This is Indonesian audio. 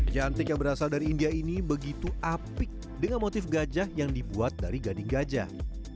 jantik yang berasal dari india ini begitu apik dengan motif gajah yang dibuat dari gading gajah